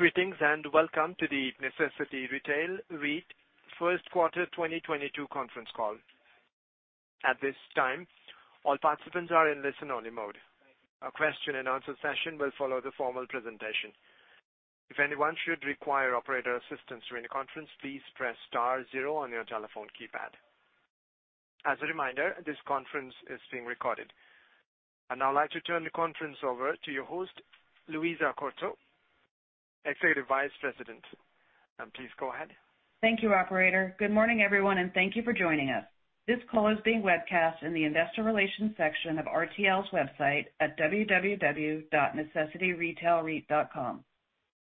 Greetings, and welcome to the Necessity Retail REIT First Quarter 2022 Conference Call. At this time, all participants are in listen-only mode. A question and answer session will follow the formal presentation. If anyone should require operator assistance during the conference, please press star zero on your telephone keypad. As a reminder, this conference is being recorded. I'd now like to turn the conference over to your host, Louisa Quarto, Executive Vice President. Please go ahead. Thank you, operator. Good morning everyone and thank you for joining us. This call is being webcast in the investor relations section of RTL's website at www.necessityretailreit.com.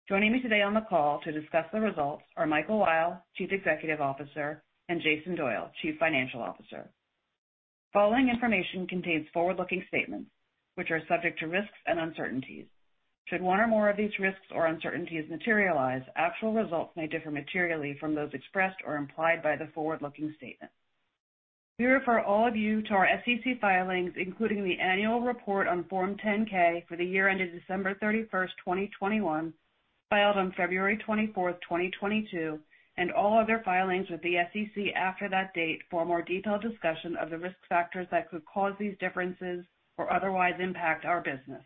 Joining me today on the call to discuss the results are Michael Weil, Chief Executive Officer, and Jason Doyle, Chief Financial Officer. The following information contains forward-looking statements which are subject to risks and uncertainties. Should one or more of these risks or uncertainties materialize, actual results may differ materially from those expressed or implied by the forward-looking statements. We refer all of you to our SEC filings, including the annual report on Form 10-K for the year ended December 31st, 2021, filed on February 24th, 2022, and all other filings with the SEC after that date for a more detailed discussion of the risk factors that could cause these differences or otherwise impact our business.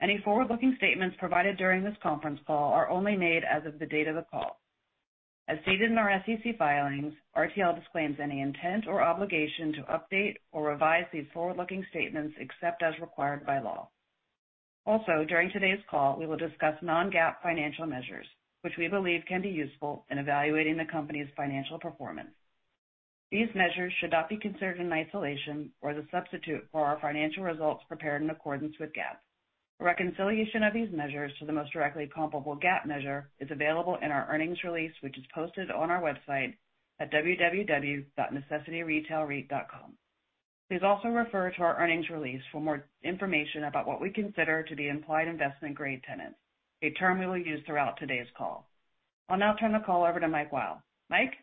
Any forward-looking statements provided during this conference call are only made as of the date of the call. As stated in our SEC filings, RTL disclaims any intent or obligation to update or revise these forward-looking statements except as required by law. Also, during today's call, we will discuss non-GAAP financial measures, which we believe can be useful in evaluating the company's financial performance. These measures should not be considered in isolation or as a substitute for our financial results prepared in accordance with GAAP. A reconciliation of these measures to the most directly comparable GAAP measure is available in our earnings release, which is posted on our website at www.necessityretailreit.com. Please also refer to our earnings release for more information about what we consider to be implied investment-grade tenants, a term we will use throughout today's call. I'll now turn the call over to Mike Weil. Mike?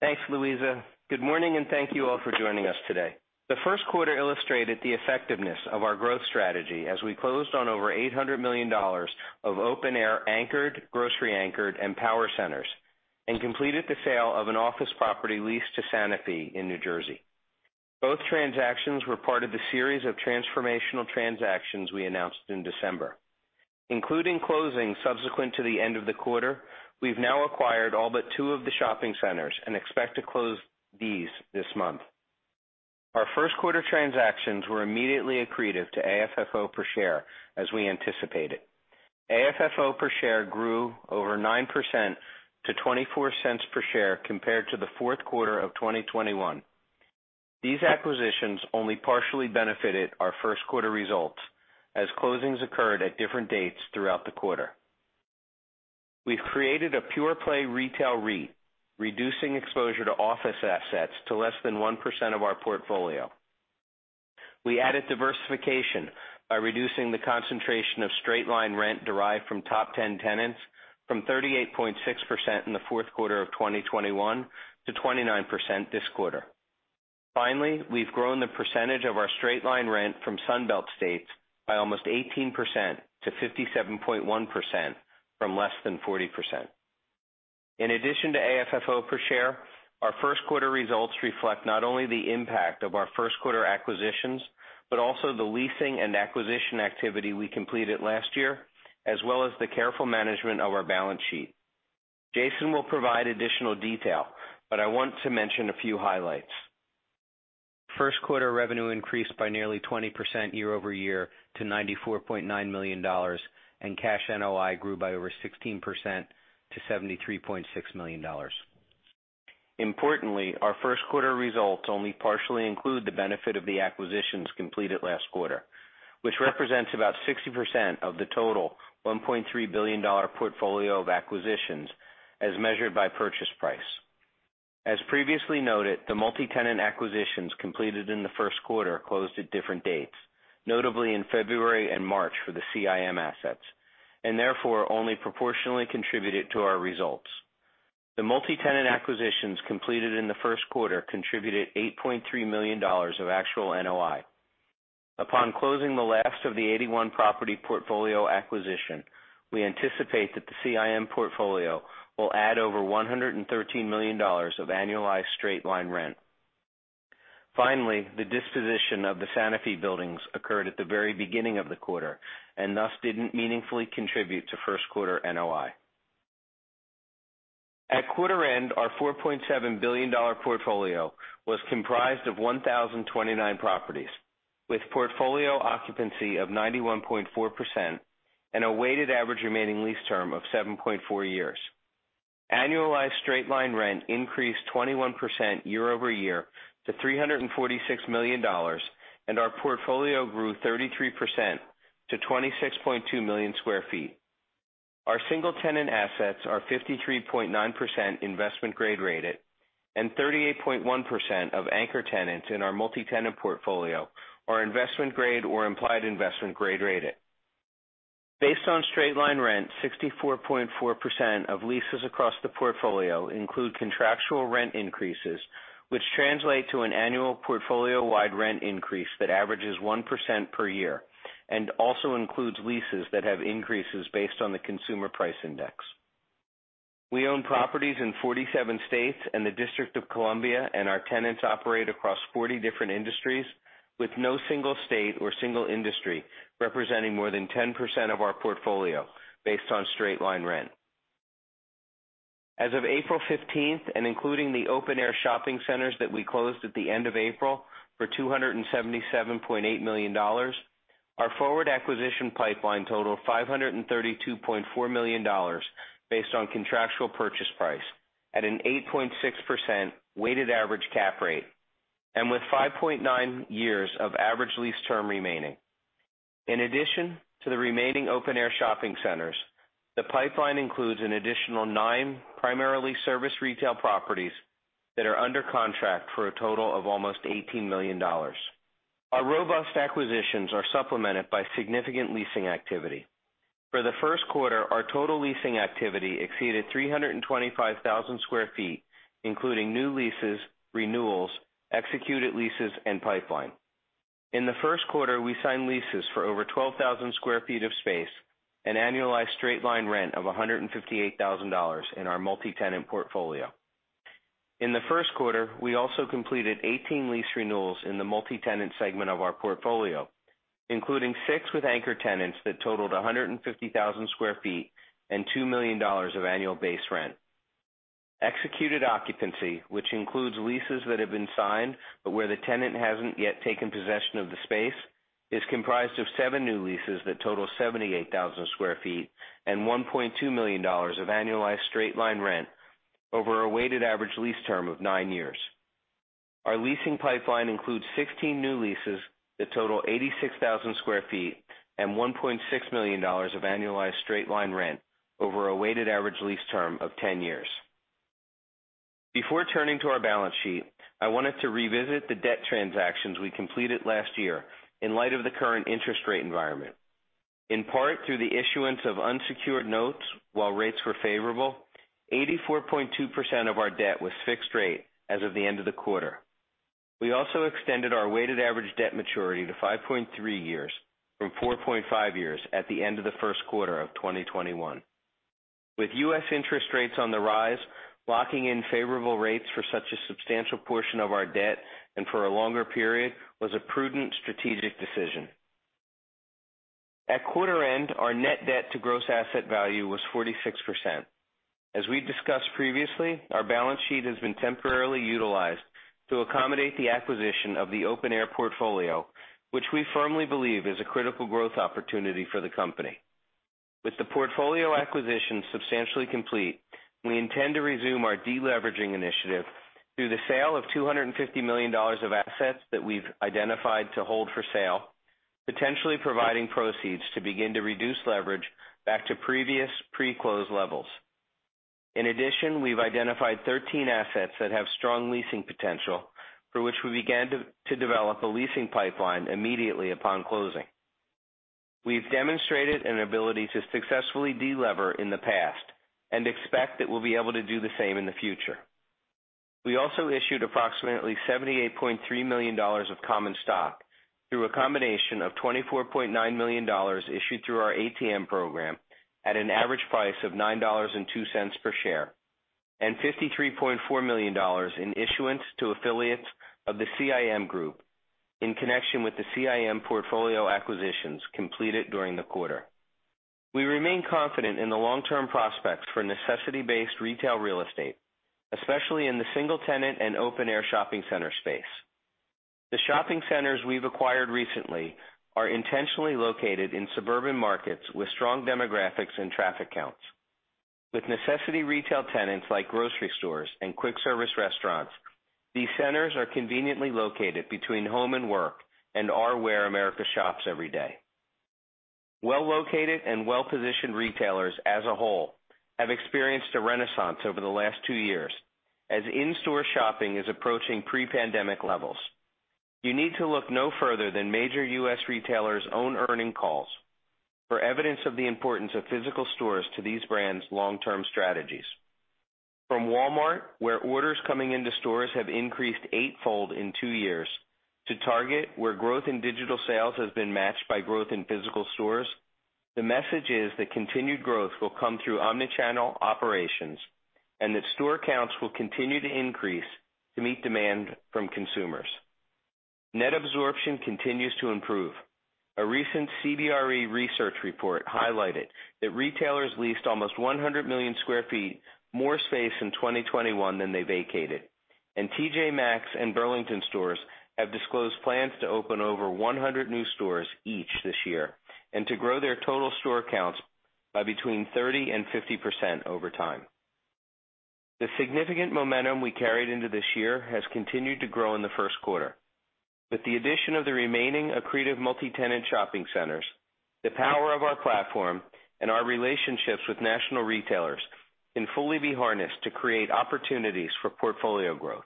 Thanks, Louisa. Good morning and thank you all for joining us today. The first quarter illustrated the effectiveness of our growth strategy as we closed on over $800 million of open-air anchored, grocery anchored and power centers, and completed the sale of an office property leased to Sanofi in New Jersey. Both transactions were part of the series of transformational transactions we announced in December. Including closings subsequent to the end of the quarter, we've now acquired all but two of the shopping centers and expect to close these this month. Our first quarter transactions were immediately accretive to AFFO per share as we anticipated. AFFO per share grew over 9% to $0.24 per share compared to the fourth quarter of 2021. These acquisitions only partially benefited our first quarter results as closings occurred at different dates throughout the quarter. We've created a pure-play retail REIT, reducing exposure to office assets to less than 1% of our portfolio. We added diversification by reducing the concentration of straight-line rent derived from top 10 tenants from 38.6% in the fourth quarter of 2021 to 29% this quarter. Finally, we've grown the percentage of our straight-line rent from Sun Belt states by almost 18%-57.1% from less than 40%. In addition to AFFO per share, our first quarter results reflect not only the impact of our first quarter acquisitions, but also the leasing and acquisition activity we completed last year, as well as the careful management of our balance sheet. Jason will provide additional detail, but I want to mention a few highlights. First quarter revenue increased by nearly 20% year-over-year to $94.9 million, and cash NOI grew by over 16% to $73.6 million. Importantly, our first quarter results only partially include the benefit of the acquisitions completed last quarter, which represents about 60% of the total $1.3 billion portfolio of acquisitions as measured by purchase price. As previously noted, the multi-tenant acquisitions completed in the first quarter closed at different dates, notably in February and March for the CIM assets, and therefore only proportionally contributed to our results. The multi-tenant acquisitions completed in the first quarter contributed $8.3 million of actual NOI. Upon closing the last of the 81-property portfolio acquisition, we anticipate that the CIM portfolio will add over $113 million of annualized straight-line rent. Finally, the disposition of the Sanofi buildings occurred at the very beginning of the quarter and thus didn't meaningfully contribute to first quarter NOI. At quarter end, our $4.7 billion portfolio was comprised of 1,029 properties with portfolio occupancy of 91.4% and a weighted average remaining lease term of 7.4 years. Annualized straight-line rent increased 21% year-over-year to $346 million, and our portfolio grew 33% to 26.2 million sq ft. Our single-tenant assets are 53.9% investment grade rated and 38.1% of anchor tenants in our multi-tenant portfolio are investment grade or implied investment grade rated. Based on straight-line rent, 64.4% of leases across the portfolio include contractual rent increases, which translate to an annual portfolio-wide rent increase that averages 1% per year and also includes leases that have increases based on the Consumer Price Index. We own properties in 47 states and the District of Columbia, and our tenants operate across 40 different industries, with no single state or single industry representing more than 10% of our portfolio based on straight-line rent. As of April 15th, and including the open-air shopping centers that we closed at the end of April for $277.8 million, our forward acquisition pipeline totaled $532.4 million based on contractual purchase price at an 8.6% weighted average cap rate and with 5.9 years of average lease term remaining. In addition to the remaining open-air shopping centers, the pipeline includes an additional nine primarily service retail properties that are under contract for a total of almost $18 million. Our robust acquisitions are supplemented by significant leasing activity. For the first quarter, our total leasing activity exceeded 325,000 sq ft, including new leases, renewals, executed leases, and pipeline. In the first quarter, we signed leases for over 12,000 sq ft of space and annualized straight-line rent of $158,000 in our multi-tenant portfolio. In the first quarter, we also completed 18 lease renewals in the multi-tenant segment of our portfolio, including six with anchor tenants that totaled 150,000 sq ft and $2 million of annual base rent. Executed occupancy, which includes leases that have been signed, but where the tenant hasn't yet taken possession of the space, is comprised of seven new leases that total 78,000 sq ft and $1.2 million of annualized straight-line rent over a weighted average lease term of nine years. Our leasing pipeline includes 16 new leases that total 86,000 sq ft and $1.6 million of annualized straight-line rent over a weighted average lease term of 10 years. Before turning to our balance sheet, I wanted to revisit the debt transactions we completed last year in light of the current interest rate environment. In part, through the issuance of unsecured notes while rates were favorable, 84.2% of our debt was fixed rate as of the end of the quarter. We also extended our weighted average debt maturity to 5.3 years from 4.5 years at the end of the first quarter of 2021. With U.S. interest rates on the rise, locking in favorable rates for such a substantial portion of our debt and for a longer period was a prudent strategic decision. At quarter end, our net debt to gross asset value was 46%. As we discussed previously, our balance sheet has been temporarily utilized to accommodate the acquisition of the open-air portfolio, which we firmly believe is a critical growth opportunity for the company. With the portfolio acquisition substantially complete, we intend to resume our deleveraging initiative through the sale of $250 million of assets that we've identified to hold for sale, potentially providing proceeds to begin to reduce leverage back to previous pre-close levels. In addition, we've identified 13 assets that have strong leasing potential, for which we began to develop a leasing pipeline immediately upon closing. We've demonstrated an ability to successfully delever in the past and expect that we'll be able to do the same in the future. We also issued approximately $78.3 million of common stock through a combination of $24.9 million issued through our ATM program at an average price of $9.02 per share, and $53.4 million in issuance to affiliates of the CIM Group in connection with the CIM portfolio acquisitions completed during the quarter. We remain confident in the long-term prospects for necessity-based retail real estate, especially in the single tenant and open-air shopping center space. The shopping centers we've acquired recently are intentionally located in suburban markets with strong demographics and traffic counts. With necessity retail tenants like grocery stores and quick service restaurants, these centers are conveniently located between home and work and are where America shops every day. Well-located and well-positioned retailers as a whole have experienced a renaissance over the last two years as in-store shopping is approaching pre-pandemic levels. You need to look no further than major U.S. retailers' own earnings calls for evidence of the importance of physical stores to these brands' long-term strategies. From Walmart, where orders coming into stores have increased eightfold in two years, to Target, where growth in digital sales has been matched by growth in physical stores, the message is that continued growth will come through omni-channel operations and that store counts will continue to increase to meet demand from consumers. Net absorption continues to improve. A recent CBRE research report highlighted that retailers leased almost 100 million sq ft more space in 2021 than they vacated, and TJ Maxx and Burlington Stores have disclosed plans to open over 100 new stores each this year and to grow their total store counts by between 30% and 50% over time. The significant momentum we carried into this year has continued to grow in the first quarter. With the addition of the remaining accretive multi-tenant shopping centers, the power of our platform and our relationships with national retailers can fully be harnessed to create opportunities for portfolio growth.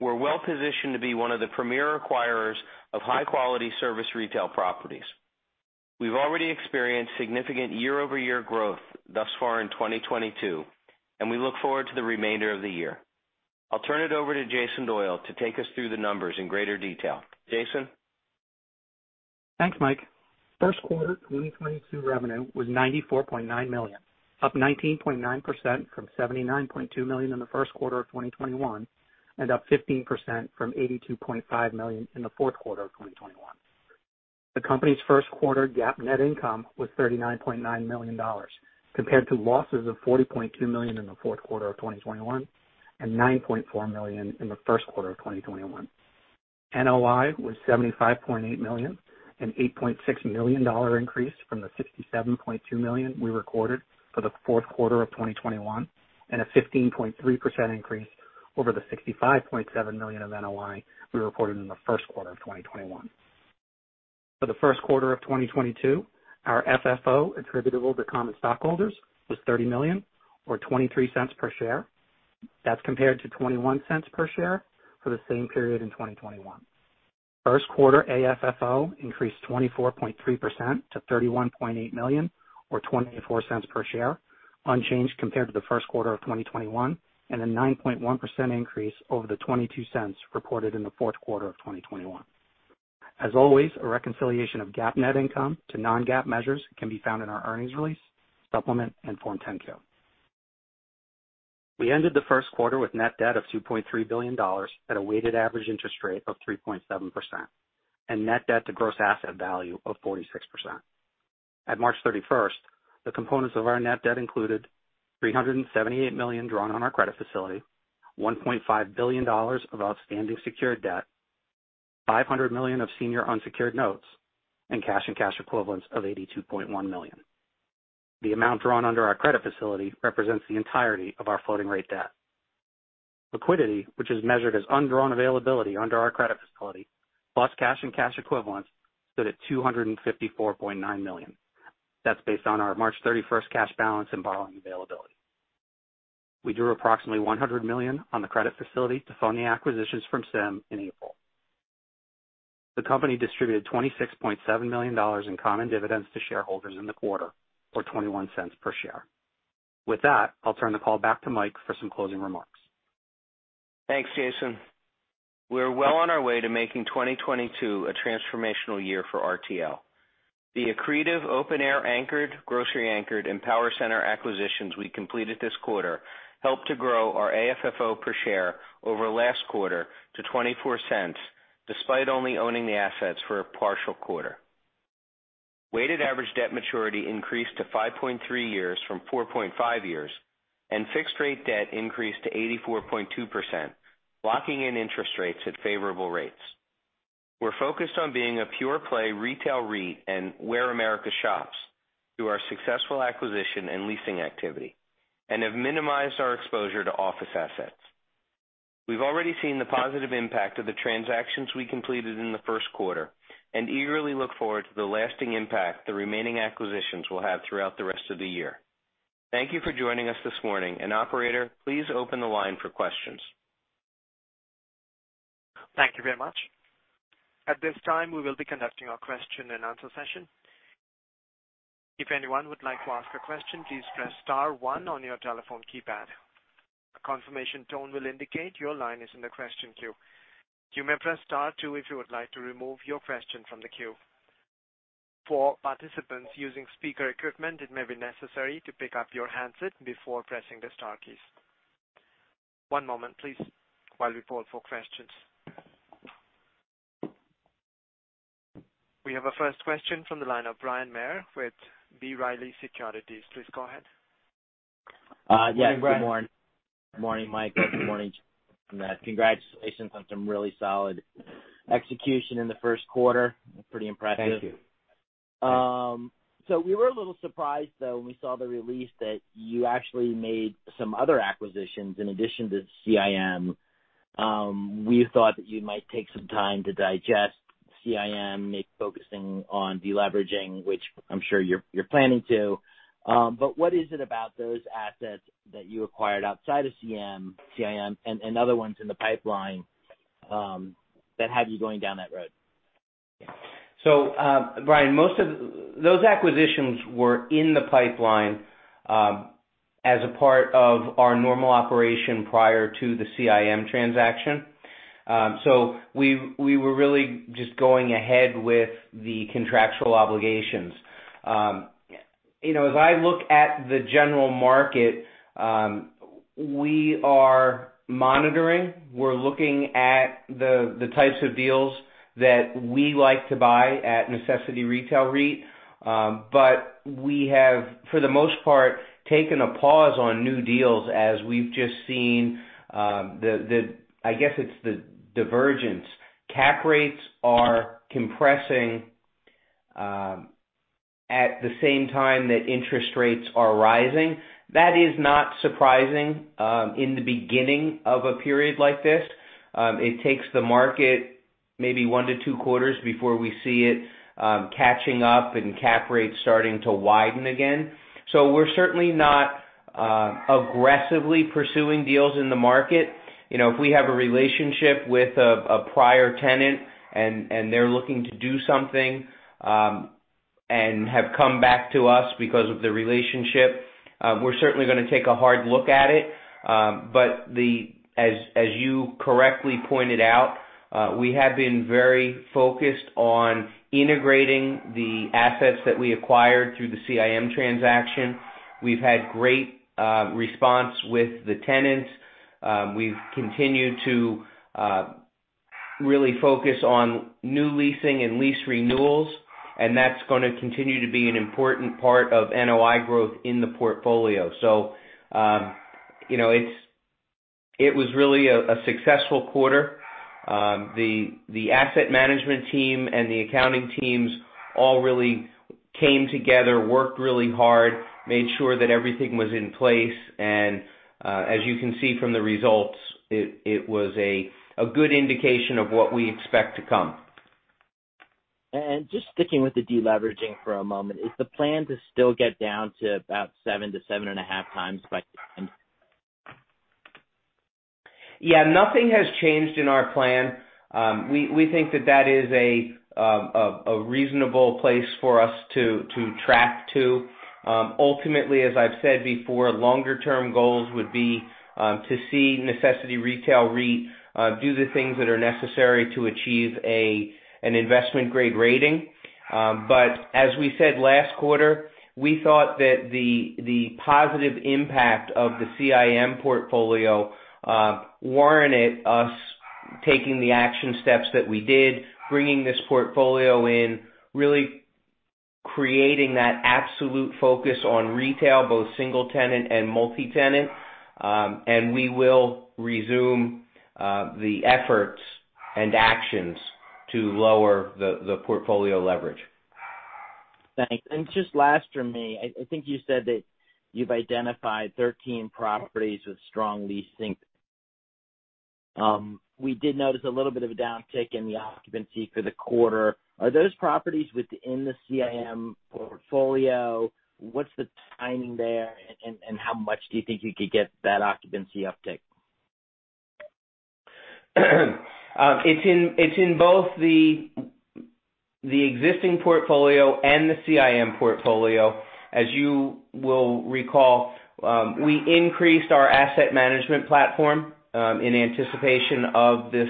We're well-positioned to be one of the premier acquirers of high-quality service retail properties. We've already experienced significant year-over-year growth thus far in 2022, and we look forward to the remainder of the year. I'll turn it over to Jason Doyle to take us through the numbers in greater detail. Jason? Thanks, Mike. First quarter 2022 revenue was $94.9 million, up 19.9% from $79.2 million in the first quarter of 2021, and up 15% from $82.5 million in the fourth quarter of 2021. The company's first quarter GAAP net income was $39.9 million dollars, compared to losses of $40.2 million in the fourth quarter of 2021 and $9.4 million in the first quarter of 2021. NOI was $75.8 million, an $8.6 million dollar increase from the $67.2 million we recorded for the fourth quarter of 2021, and a 15.3% increase over the $65.7 million of NOI we reported in the first quarter of 2021. For the first quarter of 2022, our FFO attributable to common stockholders was $30 million or $0.23 per share. That's compared to $0.21 per share for the same period in 2021. First quarter AFFO increased 24.3% to $31.8 million or 24 cents per share, unchanged compared to the first quarter of 2021, and a 9.1% increase over the $0.22 Reported in the fourth quarter of 2021. As always, a reconciliation of GAAP net income to non-GAAP measures can be found in our earnings release supplement and Form 10-Q. We ended the first quarter with net debt of $2.3 billion at a weighted average interest rate of 3.7% and net debt to gross asset value of 46%. At March 31st, the components of our net debt included $378 million drawn on our credit facility, $1.5 billion of outstanding secured debt, $500 million of senior unsecured notes and cash and cash equivalents of $82.1 million. The amount drawn under our credit facility represents the entirety of our floating rate debt. Liquidity, which is measured as undrawn availability under our credit facility, plus cash and cash equivalents, stood at $254.9 million. That's based on our March 31st cash balance and borrowing availability. We drew approximately $100 million on the credit facility to fund the acquisitions from CIM in April. The company distributed $26.7 million in common dividends to shareholders in the quarter, or $0.21 Per share. With that, I'll turn the call back to Mike for some closing remarks. Thanks, Jason. We're well on our way to making 2022 a transformational year for RTL. The accretive open-air anchored, grocery anchored and power center acquisitions we completed this quarter helped to grow our AFFO per share over last quarter to $0.24, despite only owning the assets for a partial quarter. Weighted average debt maturity increased to 5.3 years from 4.5 years, and fixed rate debt increased to 84.2%, locking in interest rates at favorable rates. We're focused on being a pure play retail REIT and where America shops through our successful acquisition and leasing activity, and have minimized our exposure to office assets. We've already seen the positive impact of the transactions we completed in the first quarter and eagerly look forward to the lasting impact the remaining acquisitions will have throughout the rest of the year. Thank you for joining us this morning. Operator, please open the line for questions. Thank you very much. At this time, we will be conducting our question and answer session. If anyone would like to ask a question, please press star one on your telephone keypad. A confirmation tone will indicate your line is in the question queue. You may press star two if you would like to remove your question from the queue. For participants using speaker equipment, it may be necessary to pick up your handset before pressing the star keys. One moment please while we poll for questions. We have our first question from the line of Bryan Maher with B. Riley Securities. Please go ahead. Yes, good morning. Morning, Bryan. Morning, Mike. Good morning, Jason. Congratulations on some really solid execution in the first quarter. Pretty impressive. We were a little surprised, though, when we saw the release that you actually made some other acquisitions in addition to CIM. We thought that you might take some time to digest CIM, maybe focusing on deleveraging, which I'm sure you're planning to. But what is it about those assets that you acquired outside of CIM and other ones in the pipeline that have you going down that road? Bryan, most of those acquisitions were in the pipeline as a part of our normal operation prior to the CIM transaction. We were really just going ahead with the contractual obligations. You know, as I look at the general market, we are monitoring, we're looking at the types of deals that we like to buy at Necessity Retail REIT. We have, for the most part, taken a pause on new deals as we've just seen the divergence. Cap rates are compressing at the same time that interest rates are rising. That is not surprising in the beginning of a period like this. It takes the market maybe one to two quarters before we see it catching up and cap rates starting to widen again. We're certainly not aggressively pursuing deals in the market. You know, if we have a relationship with a prior tenant and they're looking to do something and have come back to us because of the relationship. We're certainly gonna take a hard look at it. As you correctly pointed out, we have been very focused on integrating the assets that we acquired through the CIM transaction. We've had great response with the tenants. We've continued to really focus on new leasing and lease renewals, and that's gonna continue to be an important part of NOI growth in the portfolio. You know, it was really a successful quarter. The asset management team and the accounting teams all really came together, worked really hard, made sure that everything was in place. As you can see from the results, it was a good indication of what we expect to come. Just sticking with the deleveraging for a moment. Is the plan to still get down to about 7-7.5x times by then? Yeah, nothing has changed in our plan. We think that that is a reasonable place for us to track to. Ultimately, as I've said before, longer term goals would be to see Necessity Retail REIT do the things that are necessary to achieve an investment-grade rating. As we said last quarter, we thought that the positive impact of the CIM portfolio warranted us taking the action steps that we did, bringing this portfolio in, really creating that absolute focus on retail, both single tenant and multi-tenant. We will resume the efforts and actions to lower the portfolio leverage. Thanks. Just last for me. I think you said that you've identified 13 properties with strong leasing. We did notice a little bit of a downtick in the occupancy for the quarter. Are those properties within the CIM portfolio? What's the timing there? How much do you think you could get that occupancy uptick? It's in both the existing portfolio and the CIM portfolio. As you will recall, we increased our asset management platform in anticipation of this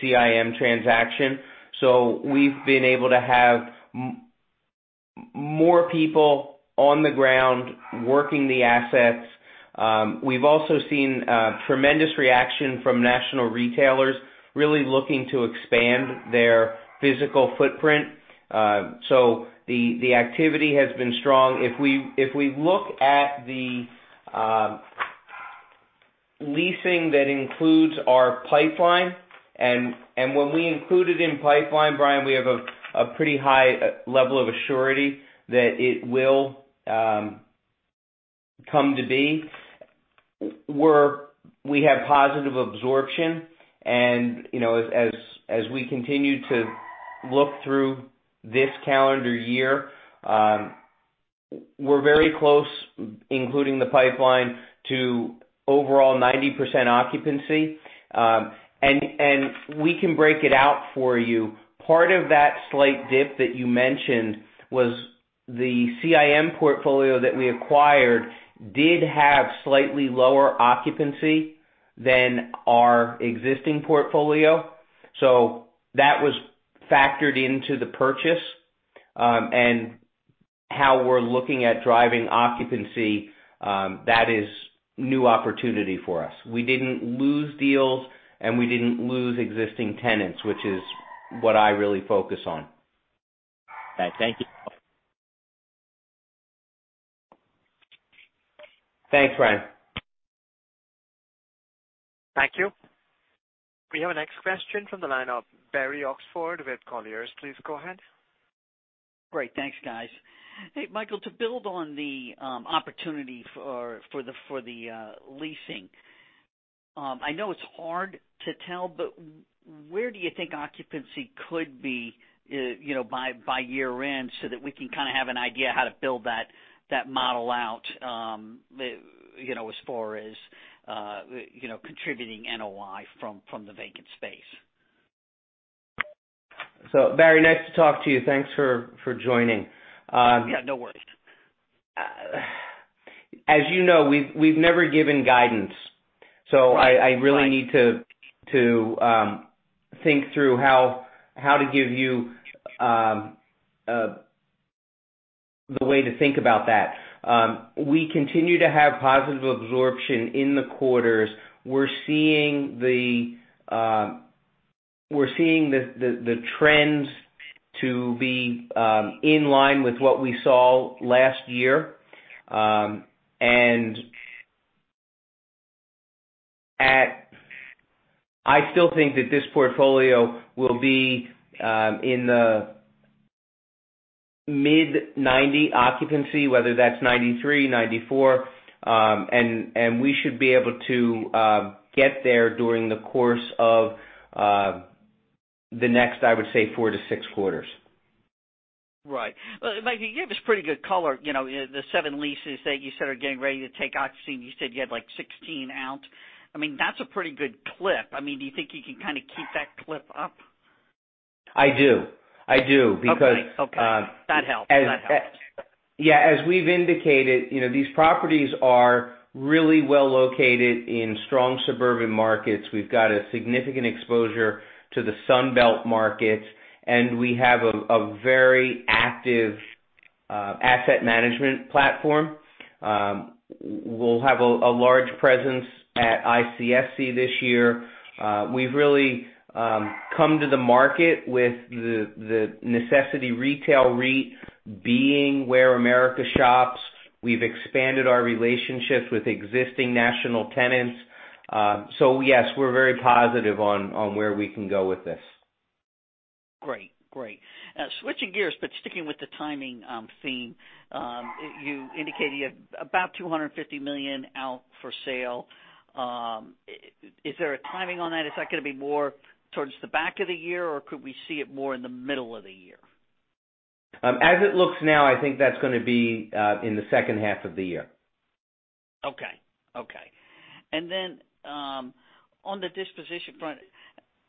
CIM transaction. We've been able to have more people on the ground working the assets. We've also seen tremendous reaction from national retailers really looking to expand their physical footprint. The activity has been strong. If we look at the leasing that includes our pipeline, and when we include it in pipeline, Bryan, we have a pretty high level of certainty that it will come to be. We have positive absorption. You know, as we continue to look through this calendar year, we're very close, including the pipeline, to overall 90% occupancy. We can break it out for you. Part of that slight dip that you mentioned was the CIM portfolio that we acquired did have slightly lower occupancy than our existing portfolio. That was factored into the purchase, and how we're looking at driving occupancy, that is new opportunity for us. We didn't lose deals, and we didn't lose existing tenants, which is what I really focus on. All right. Thank you. Thanks, Bryan. Thank you. We have our next question from the line of Barry Oxford with Colliers. Please go ahead. Great. Thanks, guys. Hey, Michael, to build on the opportunity for the leasing, I know it's hard to tell, but where do you think occupancy could be, you know, by year end so that we can kinda have an idea how to build that model out, you know, as far as you know, contributing NOI from the vacant space? Barry, nice to talk to you. Thanks for joining. Yeah, no worries. As you know, we've never given guidance. I really need to think through how to give you the way to think about that. We continue to have positive absorption in the quarters. We're seeing the trends to be in line with what we saw last year. I still think that this portfolio will be in the mid-90 occupancy, whether that's 93%-94%. We should be able to get there during the course of the next four to six quarters. Right. Well, Michael, you gave us pretty good color, you know, the seven leases that you said are getting ready to take occupancy. You said you had like 16 out. I mean, that's a pretty good clip. I mean, do you think you can kinda keep that clip up? I do because. Okay. That helps. Yeah. As we've indicated, you know, these properties are really well located in strong suburban markets. We've got a significant exposure to the Sun Belt markets, and we have a very active asset management platform. We'll have a large presence at ICSC this year. We've really come to the market with the Necessity Retail REIT being where America shops. We've expanded our relationships with existing national tenants. Yes, we're very positive on where we can go with this. Great. Switching gears, but sticking with the timing theme. You indicated you have about $250 million out for sale. Is there a timing on that? Is that gonna be more towards the back of the year, or could we see it more in the middle of the year? As it looks now, I think that's gonna be in the H2 of the year. Okay. On the disposition front,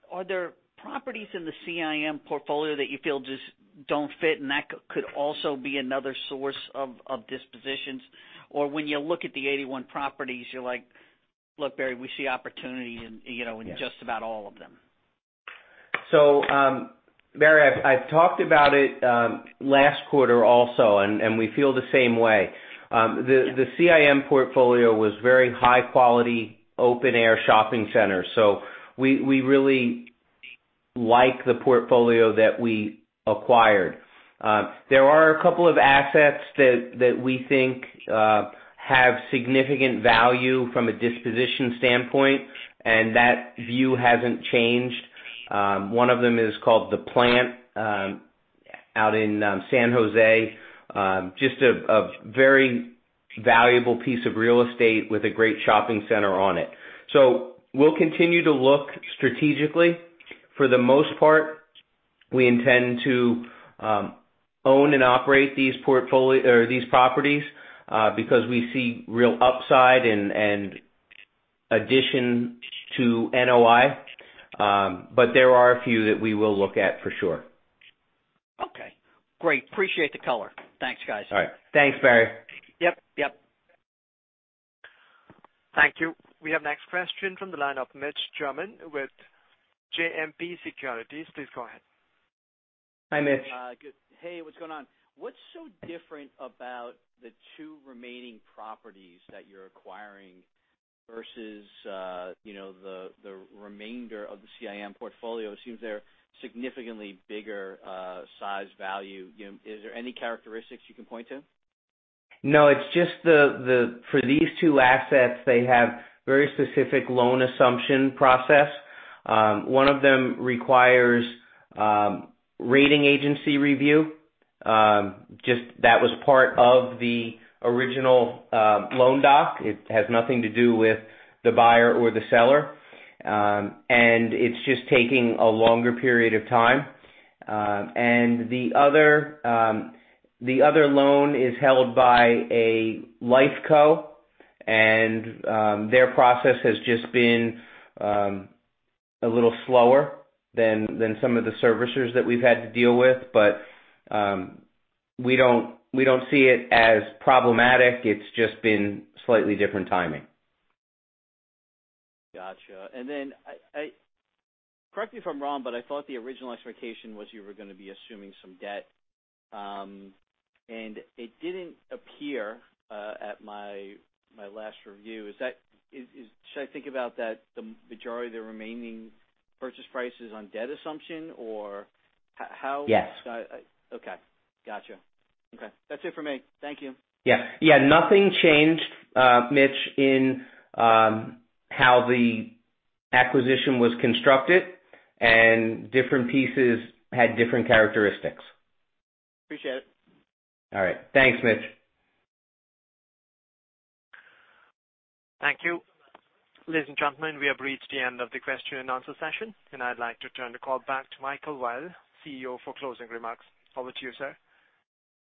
are there properties in the CIM portfolio that you feel just don't fit and that could also be another source of dispositions? Or when you look at the 81 properties, you're like, "Look, Barry, we see opportunity in, you know, in just about all of them. Barry, I've talked about it last quarter also, and we feel the same way. The CIM portfolio was very high quality, open air shopping centers. We really like the portfolio that we acquired. There are a couple of assets that we think have significant value from a disposition standpoint, and that view hasn't changed. One of them is called The Plant out in San José. Just a very valuable piece of real estate with a great shopping center on it. We'll continue to look strategically. For the most part, we intend to own and operate these properties because we see real upside and addition to NOI. There are a few that we will look at for sure. Okay, great. Appreciate the color. Thanks, guys. All right. Thanks, Barry. Yep. Yep. Thank you. We have next question from the line of Mitch Germain with JMP Securities. Please go ahead. Hi, Mitch. Hey, what's going on? What's so different about the two remaining properties that you're acquiring versus you know, the remainder of the CIM portfolio? It seems they're significantly bigger size value. You know, is there any characteristics you can point to? No, it's just for these two assets. They have very specific loan assumption process. One of them requires rating agency review. Just that was part of the original loan doc. It has nothing to do with the buyer or the seller. It's just taking a longer period of time. The other loan is held by a Life Co. Their process has just been a little slower than some of the servicers that we've had to deal with. We don't see it as problematic. It's just been slightly different timing. Gotcha. Correct me if I'm wrong, but I thought the original expectation was you were gonna be assuming some debt, and it didn't appear at my last review. Should I think about that the majority of the remaining purchase price is on debt assumption or how? Yes. Okay. Gotcha. Okay. That's it for me. Thank you. Yeah. Nothing changed, Mitch, in how the acquisition was constructed, and different pieces had different characteristics. Appreciate it. All right. Thanks, Mitch. Thank you. Ladies and gentlemen, we have reached the end of the question and answer session, and I'd like to turn the call back to Michael Weil, CEO, for closing remarks. Over to you, sir.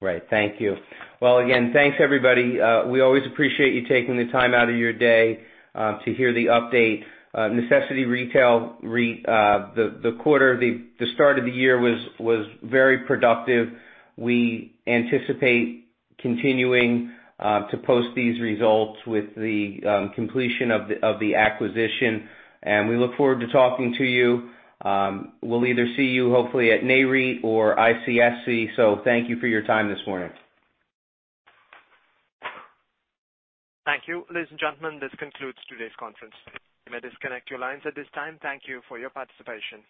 Great. Thank you. Well, again, thanks, everybody. We always appreciate you taking the time out of your day to hear the update. Necessity Retail REIT, the quarter, the start of the year was very productive. We anticipate continuing to post these results with the completion of the acquisition, and we look forward to talking to you. We'll either see you hopefully at NAREIT or ICSC. Thank you for your time this morning. Thank you. Ladies and gentlemen, this concludes today's conference. You may disconnect your lines at this time. Thank you for your participation.